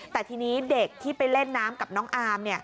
แต่ทีนี้เด็กที่ไปเล่นน้ำกับน้องอาร์ม